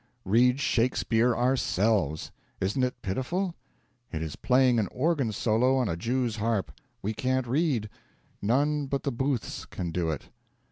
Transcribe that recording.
Read Shakespeare ourselves! Isn't it pitiful? It is playing an organ solo on a jew's harp. We can't read. None but the Booths can do it.